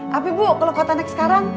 tapi bu kalau kota next sekarang